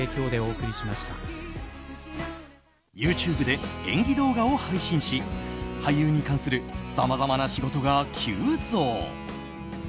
ＹｏｕＴｕｂｅで演技動画を配信し俳優に関するさまざまな仕事が急増。